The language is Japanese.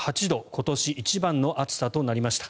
今年一番の暑さとなりました。